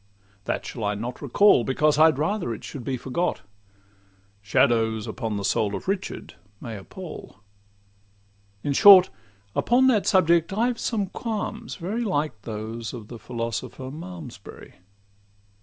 That shall I not recall, Because I'd rather it should be forgot, 'Shadows the soul of Richard' may appal. In short, upon that subject I've some qualms very Like those of the philosopher of Malmsbury.